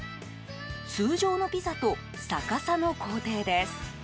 通常のピザと逆さの工程です。